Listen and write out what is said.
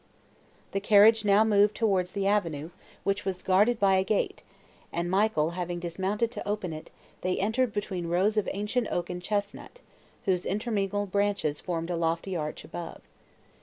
The carriage now moved towards the avenue, which was guarded by a gate, and Michael having dismounted to open it, they entered between rows of ancient oak and chesnut, whose intermingled branches formed a lofty arch above.